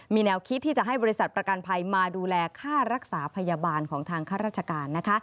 มีแนวคิดที่จะให้บริษัทประกันภัยมาดูแลค่ารักษาพยาบาลของทางข้าราชการนะคะ